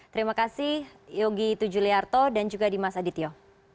terima kasih yogi tujuliarto dan juga dimas adityo